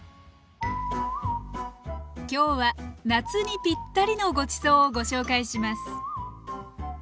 今日は夏にぴったりのごちそうをご紹介します。